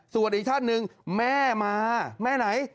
ส่วนอีกท่านหนึ่งแม่มาแม่ไหน